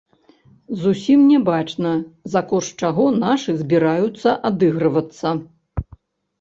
Зусім не бачна за кошт чаго нашы збіраюцца адыгрывацца.